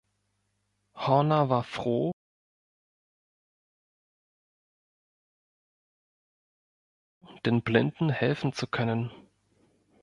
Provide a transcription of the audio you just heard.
Horner war froh, den Blinden helfen zu können.